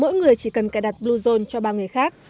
mỗi người chỉ cần cài đặt bluezone cho ba người khác